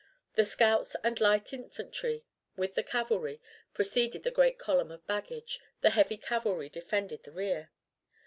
The scouts and light infantry, with the cavalry, preceded the great column of baggage, the heavy cavalry defended the rear.